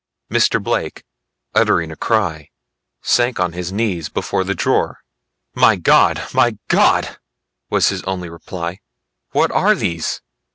Mr. Blake uttering a cry sank on his knees before the drawer. "My God! My God!" was his only reply, "what are these?"